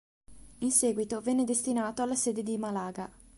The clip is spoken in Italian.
In seguito venne destinato alla sede di Malaga.